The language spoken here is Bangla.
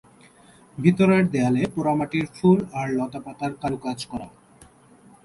ভিতরের দেয়ালে পোড়ামাটির ফুল আর লতা-পাতার কারুকাজ করা।